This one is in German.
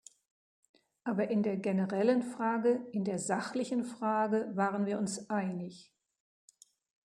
Aber in der generellen Frage, in der sachlichen Frage, waren wir uns einig.